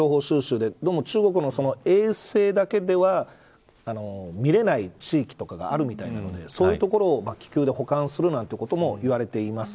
でも中国も衛星だけでは見れない地域とかがあるみたいなのでそういうところを気球で補完するなんてことも言われています。